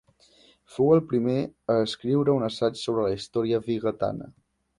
Fou el primer a escriure un assaig sobre història vigatana.